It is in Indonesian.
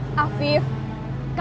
kak raina lebih butuh perhatian